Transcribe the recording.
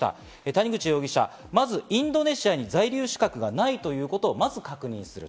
谷口容疑者、まずインドネシアに在留資格がないということをまず確認する。